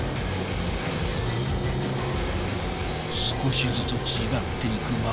少しずつ縮まっていく